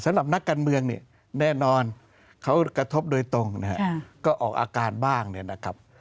สำหรับนักการเมืองเนี่ยแน่นอนเขากระทบโดยตรงนะฮะก็ออกอาการบ้างเนี่ยนะครับ